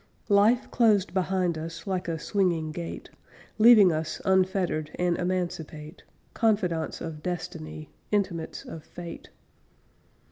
Life closed behind us Like a swinging gate, Leaving us unfettered And emancipate; Confidants of Destiny, Intimates of Fate.